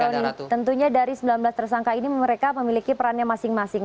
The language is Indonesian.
ya tentunya dari sembilan belas tersangka ini mereka memiliki perannya masing masing